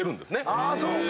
あそうか。